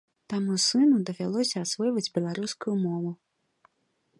Таму сыну давялося асвойваць беларускую мову.